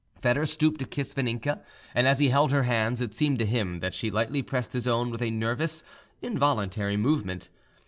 Foedor stooped to kiss Vaninka, and as he held her hands it seemed to him that she lightly pressed his own with a nervous, involuntary movement.